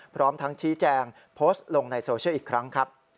พร้อมทั้งชี้แจงโพสต์ลงในโซเชียลอีกครั้งครับ